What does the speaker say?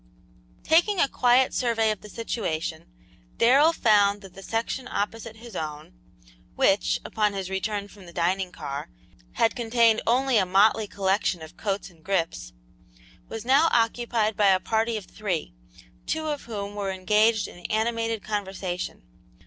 Taking a quiet survey of the situation, Darrell found that the section opposite his own which, upon his return from the dining car, had contained only a motley collection of coats and grips was now occupied by a party of three, two of whom were engaged in animated conversation.